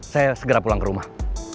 saya segera pulang ke rumah